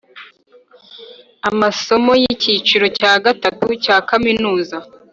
amasomo y icyiciro cya gatatu cya kaminuza